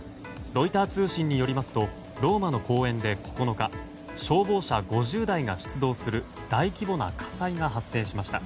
ロイター通信によりますとローマの公園で９日消防車５０台が出動する大規模な火災が発生しました。